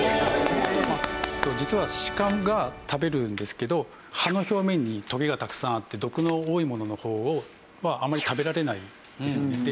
実は鹿が食べるんですけど葉の表面にトゲがたくさんあって毒の多いものの方をあまり食べられないですよね。